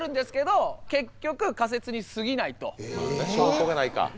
証拠がないか。